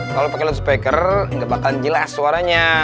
kalau pakai lonspeaker enggak bakalan jelas suaranya